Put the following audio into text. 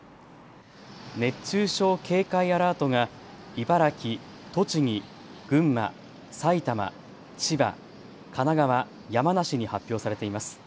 熱中症警戒アラートが茨城、栃木、群馬、埼玉、千葉、神奈川、山梨に発表されています。